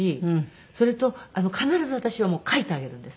それと必ず私は書いてあげるんです。